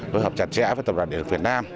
phối hợp chặt chẽ với tập đoàn điện lực việt nam